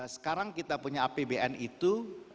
sekarang kita punya apbn itu